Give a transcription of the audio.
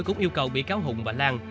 cũng yêu cầu bị cáo hùng và lan